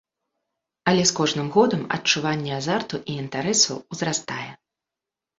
Але з кожным годам адчуванне азарту і інтарэсу ўзрастае.